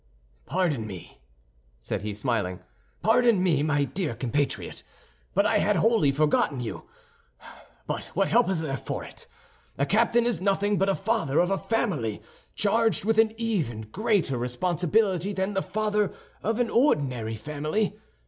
"Pardon me," said he, smiling, "pardon me my dear compatriot, but I had wholly forgotten you. But what help is there for it! A captain is nothing but a father of a family, charged with even a greater responsibility than the father of an ordinary family.